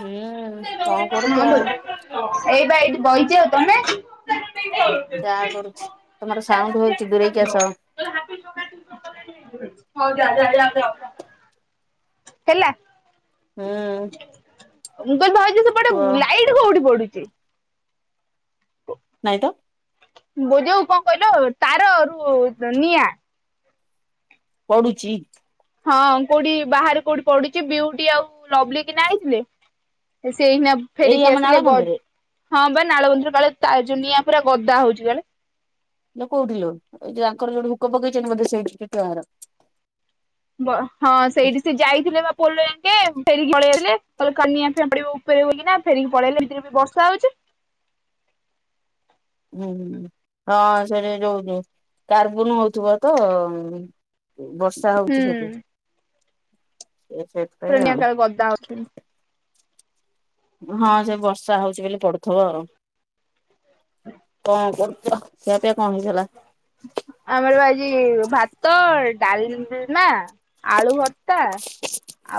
ହୁଁ, ଉଁ, କଣ କରୁଚ? ଏଇବା ଏଇଠି ବଇଛି ଆଉ। ତମେ? ଚା' କରୁଛି। ତମର ସାଉଣ୍ଡ ହଉଛି, ଦୁରେଇକି ଆସ। ହେଲା। ହୁଁ। ମୁଁ ତ ଧଇଚି ସେପଟେ, କୁହ ଲାଇଟ୍ କୋଉଠି ପଡୁଚି? ନାଇଁତ। ବୋଉ ଯଉ କଣ କହିଲ, ତାର ରୁ ନିଆଁ। ପଡୁଚି! ହଁ, କୋଉଠି ବାହାରେ କୋଉଠି ପଡୁଚି। ବିଉଟି ଆଉ ଲଭ୍ଲି କିନା ଆଇଥିଲେ। ସେ ଏହିକିଣା ଏଇ ଫେରିକି ଆମ ନାଳ ଆସିଲେ, ଗଜ ବନ୍ଧରେ। ହଁ, ବା ନାଳବନ୍ଧରେ କାଳେ ତା, ଯୋ ନିଆଁ ପୁରା ଗଦା ହଉଛି କାଳେ! ଇଲୋ କୋଇଠି ଲୋ ଏ ଯଉ ୟାଙ୍କର ଯୋଇଠି ହୁକ ପକେଇଛନ୍ତି ବୋଧେ ସେ ସେଇଠି [unintelligible] ହଁ ସେଇଠି ସେ ଯାଇଥିଲେ ବା ପୋଲ ଯାକେ ଫେରିକି ପଳେଇ [unintelligible] ଉପରେ ଏରେ ବି ବର୍ଷା ହୋଉଚି। ହୁଁ ହୁଁ ହଁ ସେଠି ଯୋଉ କାର୍ବୁନ ହୋଉଥିବ ତ। ବର୍ଷା ହୁଁ ହୋଉଚି ସେଠି ସେ ପୁରୁଣିିଆ କାଳ ଗଦା ହଁ ସେ ବର୍ଷା ହୋଉଚି ବୋଲି ପଡୁଥିବ ଆଉ କଣ କରୁଚ ଖିଆପିଆ କଣ ହେଲା ଆମର ବା ଆଜି ଭାତ ଡାଲମା ଆଳୁ ଭତ୍ତା।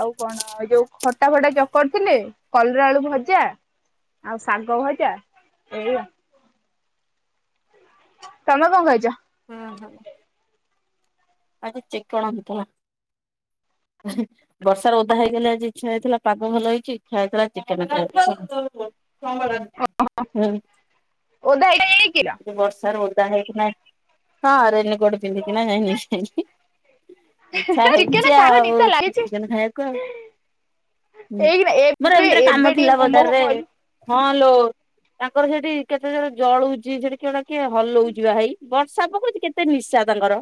ଆଉ କଣ ଏ ଯୋଉ ଖଟା ଫଟା ଚକଟି ଥିଲେ କଲରା ଆଳୁ ଭଜା। ଆଉ ଶାଗ ଭଜା ଏଇଆ ତମେ କଣ [unintelligible] ଓହୋ। ଆଜି ଚିକଣ [unintelligible] ହେଁ। ବର୍ଷାର ଓଦା ହେଇଗଲେ ଆଜି ଇଛା ହେଇଥିଲା। ପାଗ ଭଲ ହେଇଚି ଇଚ୍ଛା ହେଇଥିଲା ଚିକେନ ଖାଇବାକୁ। ହୁଁ ଓଦା ହେଇକି ଯାଇକିଲ [unintelligible] ବର୍ଷରେ ଓଦା ହେଇକିନା ହଁ ରେନି କୋଟ ପିନ୍ଧିକି ନା ନି [unintelligible] ହେ ଇଛା ଚିକେନ ହେଇଚି ଖାଇବା ଆଉ। ନିଶା ଲାଗିଛି ଚିକେନ ଖାଇବାକୁ ଆଉ, ହୁଁ ଏଇକିନା ମୋର ଏବେ ଏମିତିରେ ଏବେ କାମ ଥିଲା ଟିକେ ମୋମୋ ବଜାରରେ। ଫୋମୋ ହେଲୁ ହଁ ଲୋ ତାଙ୍କର ସେଠି କେତେ ଜୋରେ ଜଳୁଚି ସେଠି କେଡେ କିଏ ହଲଉଚି ବା ହେଇ ବର୍ଷା ପକଉଚି କେତେ ନିଶା। ତାଙ୍କର।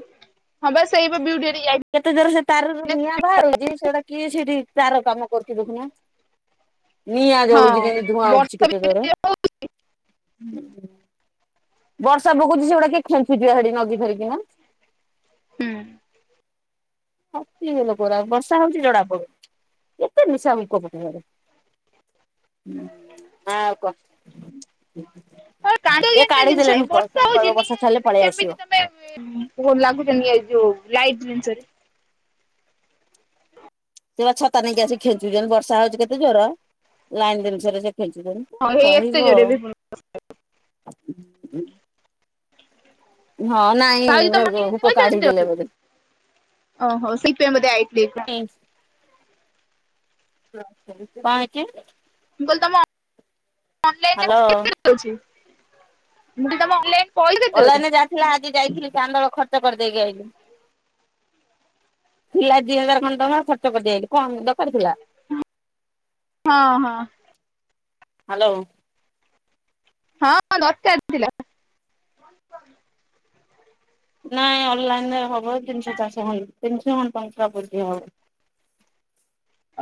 ହଁ ବା ସେଇପା ବିଉଟି [unintelligible] କେତେ ଜୋର୍ ସେ ତାରରୁ ନିଆଁ ବାହାରୁଚି ସେଇଡା କିଏ ସେଇଠି ତାର କାମ କରୁଚି ଦେଖୁନା। ନିଆଁ ଜଳୁଚି କେମତି ହଁ ଧୂଆଁ ବର୍ଷା ଉଠୁଚି ବି କେତେ ଜୋରେ। ହୁଁ ବର୍ଷା ପକଉଚି ସେଗୁଡା କିଏ ଖେଞ୍ଚୁଚି [unintelligible] ନଦୀ ଫଦି [unintelligible] [unintelligible] ବର୍ଷା ହୋଉଚି ଜଣା ପଡୁନି କେତେ ନିଶା [unintelligible] ହୁଁ ଆଁ ହୁଁ କାଣ୍ଡ ସେ ଜ୍ଞାନର କାଢି ଜିନିଷ ଦେଲେ ଢୁକ [unintelligible] କହିବ ବର୍ଷା ଛାଡିଲେ ପଳେଇ ଆସିବ। ନାଇଁ ଲାଗୁ [unintelligible] ଏଇ ଯୋଉ ଲାଇଟ୍ ଜିନିଷରେ ସେ ବା ଛତା ନେଇକି ଆସି ଖେଞ୍ଚୁଚନ୍ତି, ବର୍ଷା ହୋଉଚି କେତେ ଜୋର ଲାଇନ ଜିନିଷରେ ସେ ଖେଞ୍ଚୁଛନ୍ତି। ହଁ ହେଇ ଏତେ କହିବ ଜୋରରେ ବି ହଁ ଭାଉଜ ତମ ନାଇଁ ଅନଲାଇନରେ ହୁକ ପଇସା କେତେ ଅଛି? କାଢିଦେଲେ ବୋଲି। ଓହୋ ସେ ପାଇଁ ଆଇ କଣ କଁ ହେଇ ମୁଁ କହିଲି ତମ ଅନଲାଇନରେ ହାଲୋ। ପଇସା ଅଛି ମୁଟେ ତମ ଅନଲାଇନ ପଇସା କେତେ ଅଛି? ଅନଲାଇନରେ ଯାହା ଥିଲା ଆଜି ଯାଇଥିଲି ଚାନ୍ଦଳ ଖର୍ଚ୍ଚ କରିଦେଇକି ଆଇଚି। ଥିଲା ଦି ହଜାର ଖଣ୍ଡ ଟଙ୍କା ଖର୍ଚ୍ଚ କରିଦେଇକି ଆଇଚି, କଣ ଦରକାର ଥିଲା? ହଁ ହଁ। ହାଲୋ। ହଁ ହଁ ଦରକାର ଥିଲା। ନାଇଁ ଅନଲାଇନ ରେ ହବ ତିନିଶ ଚାରିଶ ଖନ ତିନିଶ ଖଣ୍ଡ ଟଙ୍କା [unintelligible]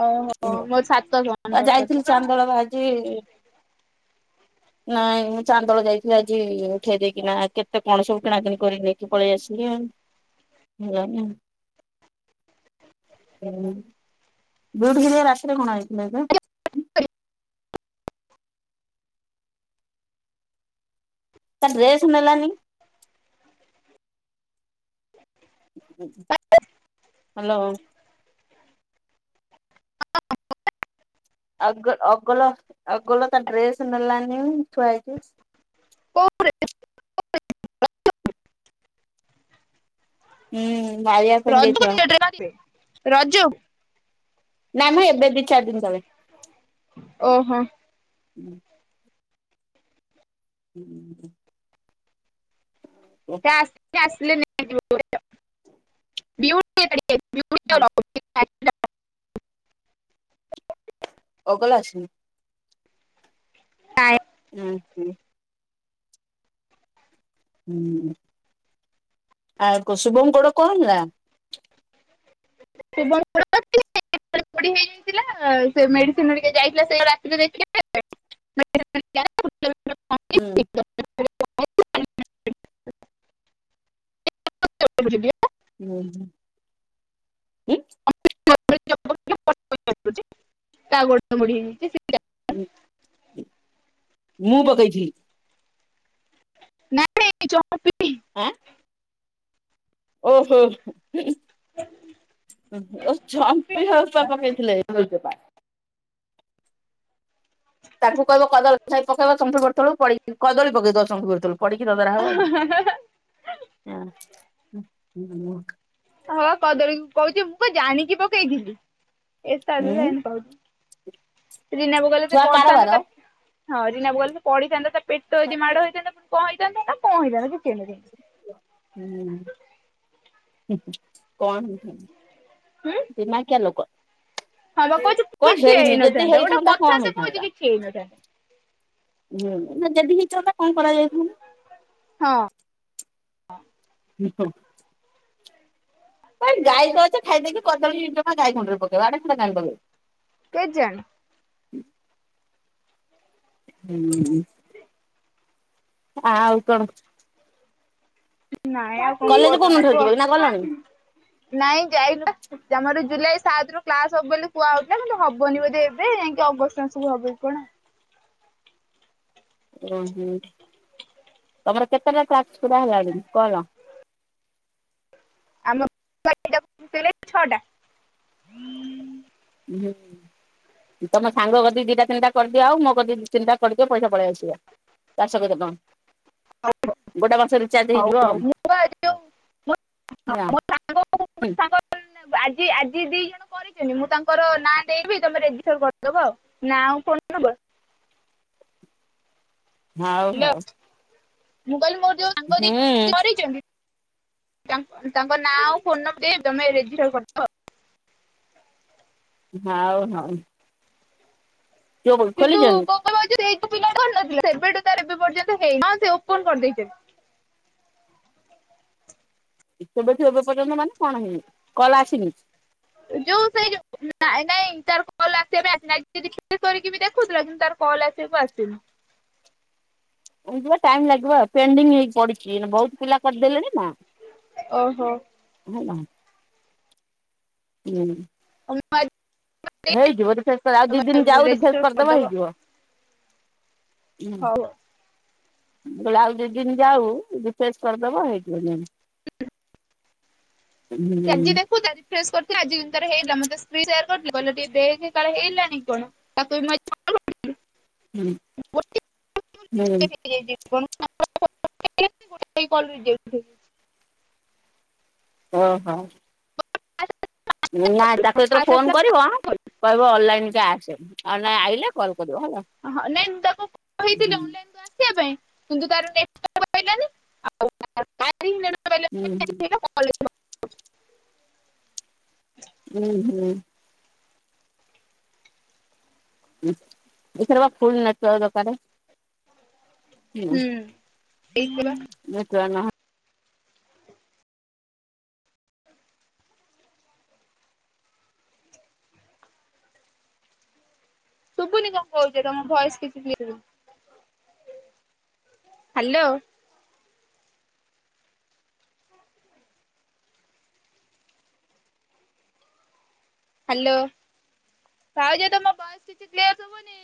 ଓହୋ ମୋର ସାତ [unintelligible] ଆଉ ଦରକାର ଯାଇଥିଲି ଥିଲା। ଚାନ୍ଦଳ ଆଜି ନାଇଁ ମୁଁ ଚାନ୍ଦଳ ଯାଇଥିଲି ଆଜି ଉଠେଇ ଦେଇକିନା କେତେ କଣ ସବୁ କିଣାକିଣି କରିନି। ପଳେଇ ଆସିଲି ଆଉ ହେଲାନି ଆଉ ବିଉଟି ହେଲିଆ ରାତିରେ କଣ ଆଇଥିଲେ ଏବେ। [unintelligible] ତା ଡ୍ରେସ ନେଲାନି। ହାଲୋ। ଅଗ ଅଗଲ ଅଗଲ ତା ଡ୍ରେସ ନେଲାନି ଥୁଆ ହେଇଚି। [unintelligible] ହୁଁ ମାଇଆ [unintelligible] ନାଁ ମ ଏବେ ଦିଇ ଚାରି ଦିନ ତଳେ। ଓହୋ। [unintelligible] ହମ [unintelligible] ଅଗଲା ଆସିନି। [unintelligible] ହୁଁ ହୁଁ। ହୁଁ ଆ ଶୁଭ ଗୋଡ଼ କଣ ହେଲା? [inaudible] ପୋଡ଼ି ହେଇଯାଇଥିଲା ସେ ମେଡିସିନ ଟିକେ ଯାଇଥିଲା ସେ ରାତିରେ ଦେଖିବା ପାଇଁ। [unintelligible] ହୁଁ [unintelligible] ହୁଁ। [unintelligible] ମୁଁ ପକେଇଥିଲି। ନାଇଁ ନାଇଁ [unintelligible] ଆଁ। ଓହୋହ ଓ ଚମ୍ପି ହଉପା ପକେଇଥିଲେ। [unintelligible] ତାଙ୍କୁ କହିବ କଦଳୀ ଖାଇକି ପକେଇବ ତମଠୁ ଗୋଡ ତଳକୁ ପଡ଼ି। କଦଳୀ ପକେଇ ଦବ ଚମ୍ପି ଗୋଡ଼ ତଳ କୁ ପଡିକି ଦଦରା ହବ ଆଉ। ଉଁ ଉଁ ମୋ। ହଁ କଦଳୀକୁ କଉଚି ମୁଁ ଜାଣିକି ପକେଇଥିଲି ଏଶା ଏ ଉଁ କହୁଚି। ରିନା ବୋଉ କଇଲେ ସେ ଛୁଆ ପଢିଥାନ୍ତା କାରବାର ତା ହଁ ରିନା ବୋଉ କଇଲେ ସେ ପଢିଥାନ୍ତା ତା। ପେଟ ଅଦି ମାଡ ହେଇଥାନ୍ତା କଣ ହେଇଥାନ୍ତା ନା କଣ ହେଇଥାନ୍ତା କିଛି ହେଇ ନଥାନ୍ତା ହୁଁ କଣ ହେଇ। ହୁ ଦିମାକିଆ ଲୋକ। କହୁଛି କ କିଛି ହେଇନି ଯଦି ହେଇନଥାନ୍ତା ଗୋଟେ ହେଇଥାନ୍ତା କଥା କଣ ସେ କହୁଛି ହେଇଥାନ୍ତା? କିଛି ହେଇନଥାନ୍ତା ହୁଁ ନା ଯଦି ହେଇଥାନ୍ତା କଣ କରାଯାଇଥାନ୍ତା? ହଁ। ହଁ। ଗାଈ ତ ଅଛ ଖାଇଦେଇକି କଦଳିଚୋପା ଗାଈ କୁଣ୍ଡରେ ପକେଇବ ଆଡେସାଡେ କାଇଁ ପକେଇବ। କେଜାଣି। ହୁଁ। ଆଉ କଣ। ନାଇଁ ଆଉ କଣ କଲେଜ କୁହ ତମେ କୋଉଦିନଠାରୁ ଯିବ କି ନା ଗଲଣି? କୁହ ନାଇଁ ଯାଇନୁ। ଆମର ଜୁଲାଇ ସାତ ରୁ କ୍ଲାସ ହବ ବୋଲି କୁହାହଉଥିଲା କିନ୍ତୁ ହବନି ବୋଧେ ଏବେ ଯାଇକି ଅଗଷ୍ଟ ମାସକୁ ହବକି କଣ। ଓହୋ ତମର କେତେଟା ଟାସ୍କ ପୁରା ହେଲାଣି କଲ? [unintelligible] ଛଅ ଟା। ହୁଁ। ତମ ସାଙ୍ଗ କତିକି ଦି ଟା ତିନିଟା କରିଦିଅ ଆଉ ମୋ କତିକି ଦି ତିନିଟା କରିଦିଅ ପଇସା ପଳେଇଆସିବ। ଚାରିଶ କେତେ ଟଙ୍କା। ଗୋଟେ ବର୍ଷ ରଚାର୍ଜ ହଉ ହେଇଯିବ ଆଉ। ହଉ ମୁଁ ବା ଯୋଉ ମୋ ହିଅ। ସାଙ୍ଗ ମୋ ହୁଁ। ସାଙ୍ଗ ଆଜି ଆଜି ଦି ଜଣ କରିଛନ୍ତି ମୁଁ ତାଙ୍କର ନାଁ ଦେଇ ଦେବି ତମେ ରେଜିଷ୍ଟର କରିଦବ ଆଉ। ନା ଆଉ ଫୋନ୍ ନମ୍ବର। ହଉ ହ୍ୟାଲୋ। ହଉ ମୁଁ କଇଲି ମୋର ଯୋଉ ସାଙ୍ଗ ଦିଟା ଆଜି ହୁଁ କରିଚନ୍ତି ତାଙ୍କ- ତାଙ୍କ ନାଁ ଆଉ ଫୋନ ନମ୍ବର ଦିଏ ତମେ ରେଜିଷ୍ଟର କରିଦବ ଆଉ। ହଉ ହଉ। ଯଉଁ କିନ୍ତୁ ଖୋଲିଛନ୍ତି? କଣ କହିଲ ଯୋଉ ସେଇ ଯୋଉ ପିଲା କରିନଥିଲା ସେବେଠୁ ତାର ଏବେ ପର୍ଯ୍ୟନ୍ତ ହେଇନି। ହଁ ସେ ଓପନ କରିଦେଇଛନ୍ତି। ସେବେଠୁ ଏବେ ପର୍ଯ୍ୟନ୍ତ ମାନେ କଣ ହେଇନି କଲ ଆସିନି? ଯୋଉ ସେଇ ଯୋଉ ନାଇଁ ନାଇଁ ତାର କଲ୍ ଆସିବା ବି ଆସି [unintelligible] ଦେଖୁଥିଲା କିନ୍ତୁ ତାର କଲ୍ ଆସିବାକୁ ଆସିନି। ଯିବ ଟାଇମ ଲାଗିବ ଆଉ ପେଣ୍ଡିଙ୍ଗ ହେଇକି ପଡିଛି ବହୁତ ପିଲା କରିଦେଲେଣି- ହ ଓହୋ। ହେଲା ହୁଁ। [unintelligible] ହେଇଯିବ ତୁ ରିଫ୍ରେସ ଆଉ ଦି ଦିନ ଯାଉ ରିଫ୍ରେସ କରିଦବ ହେଇଯିବ। ହୁଁ। ହଉ। ବେଳେ ଆଉ ଦି ଦିନ ଯାଉ ରିଫ୍ରେସ କରିଦବ ହେଇଯିବ। ସେ ଆଜି ହୁଁ ଦେଖୁଛନ୍ତି? ରିଫ୍ରେସ କରୁଥିଲା ଆଜି କିନ୍ତୁ ତାର ହେଇଗଲା ମତେ ସ୍କ୍ରିନ୍ ସେୟାର କରିଥିଲା କହିଲା ଟିକେ ଦେଖେ କାଳେ ହେଲାନି କି କଣ ତାକୁ ବି ମୁଁ ଆଜି- ହୁଁ ହୁଁ [unintelligible] [unintelligible] ରେଜେକ୍ଟ୍ ହେଇଚି। ଓହୋ। ନାଇଁ ତାକୁ ଯେତେବେଳେ ଫାଷ୍ଟ ଫୋନ ଆସିଲା କରିବ କହିବ ଅନଲାଇନ କି ଆସେ ଆଉ ନାଇଁ ଆଇଲେ କଲ୍ କରିବ ହେଲା। ହଁ ନାଇଁ ମୁଁ ତାକୁ କହିଥିଲି ଅନଲାଇନ କୁ ଆସିବା ପାଇଁ କିନ୍ତୁ ତାର ନେଟୱର୍କ ରହିଲାନି ଆଉ ହୁଁ [unintelligible] ହୁଁ ହୁଁ। ହଁ ଏଇଥିରେ ବା ଫୁଲ ନେଟୱର୍କ ଦରକାରେ। ହୁଁ ଏଇ ବା ନେଟୱର୍କ ନହେଲେ ଶୁଭୁନି କଣ କହୁଛ ତମ ଭଏସ କିଛି କ୍ଲିୟର ହ୍ୟାଲୋ। ହ୍ୟାଲୋ ଭାଉଜ ତମ ଭଏସ କିଛି କ୍ଲିୟର ଶୁଭୁନି।